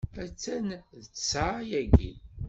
Attan d ttessɛa yagi.